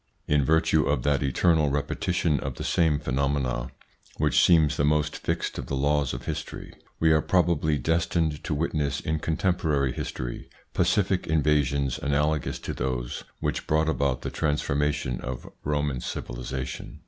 In virtue of that eternal repetition of the same phenomena, which seems the most fixed of the laws of history, we are probably destined to witness in contemporary history pacific invasions analogous to those which brought about the transformation of Roman civilisation.